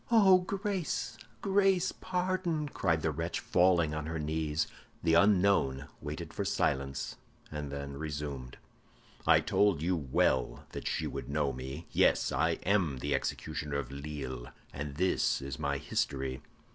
"Oh, grace, grace, pardon!" cried the wretch, falling on her knees. The unknown waited for silence, and then resumed, "I told you well that she would know me. Yes, I am the executioner of Lille, and this is my history."